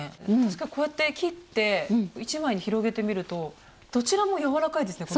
確かにこうやって切って１枚に広げてみるとどちらも柔らかいですね